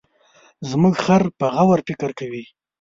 زموږ خر په غور فکر کوي.